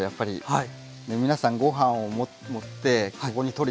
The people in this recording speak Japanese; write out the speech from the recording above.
はい。